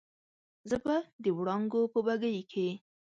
زه به د وړانګو په بګۍ کې